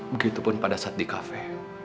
begitupun pada saat di kafe